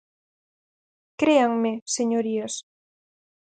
Créanme, señorías.